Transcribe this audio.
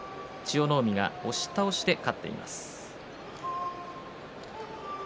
千代の海が押し倒しで勝っています。